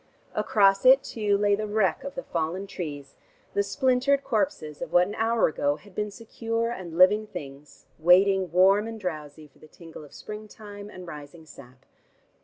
Across it too lay the wreck of the fallen trees, the splintered corpses of what an hour ago had been secure and living things, waiting, warm and drowsy, for the tingle of springtime and rising sap.